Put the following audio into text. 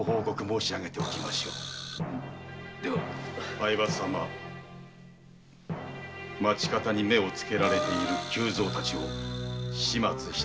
相場様町方に目をつけられている久蔵たちを始末した方が。